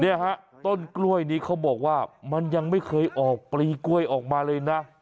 เนี่ยฮะต้นกล้วยนี้เขาบอกว่ามันยังไม่เคยออกปลีกล้วยออกมาเลยนะ